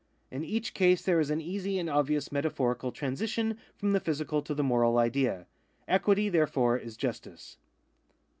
In each case there is an easy and obvious metaphorical transition from the physical to the moral idea. Equity therefore is justice.